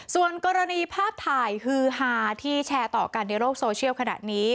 ส่วนกรณีภาพถ่ายฮือฮาที่แชร์ต่อกันในโลกโซเชียลขณะนี้